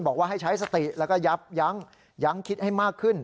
บอกว่าให้ใช้สติแล้วก็ยับยั้งยั้งคิดให้มากขึ้น